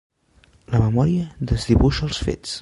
La memòria desdibuixa els fets.